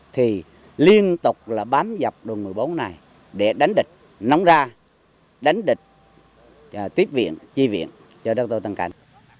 thì liên tục là bám dọc đường một mươi bốn này để đánh địch nóng ra đánh địch tiếp viện chi viện cho đu tân cảnh